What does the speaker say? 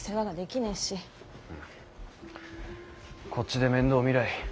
こっちで面倒を見らい。